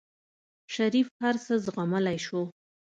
شريف هر څه زغملی شو.